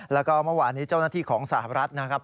แล้วก็เมื่อวานนี้เจ้าหน้าที่ของสหรัฐนะครับ